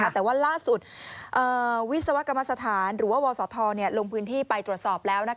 แต่ว่าล่าสุดวิศวกรรมสถานหรือว่าวศธลงพื้นที่ไปตรวจสอบแล้ว